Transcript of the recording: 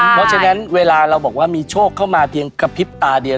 เพราะฉะนั้นเวลาเราบอกว่ามีโชคเข้ามาเพียงกระพริบตาเดียว